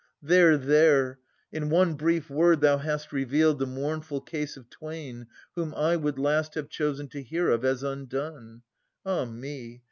There, there ! In one brief word thou hast re vealed The mournful case of twain, whom I would last Have chosen to hear of as undone. Ah me